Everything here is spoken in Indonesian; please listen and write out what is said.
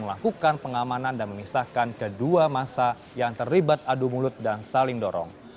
melakukan pengamanan dan memisahkan kedua masa yang terlibat adu mulut dan saling dorong